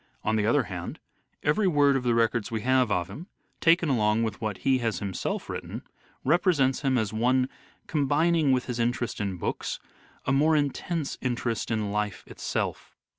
On the other hand, every word of the records we have of him, taken along with what he has himself written, represents him as one combining with his interest in books a more intense interest in life itself.